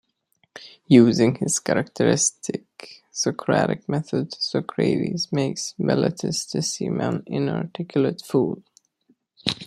Using his characteristic Socratic method, Socrates makes Meletus to seem an inarticulate fool.